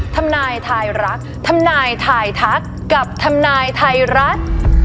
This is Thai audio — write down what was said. ทำนายทายรักทำนายทายทักกับทำนายไทยรัฐ